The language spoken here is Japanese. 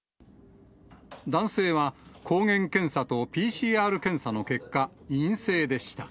男性は抗原検査とＰＣＲ検査の結果、陰性でした。